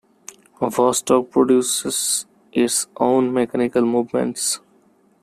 Vostok produces its own mechanical movements.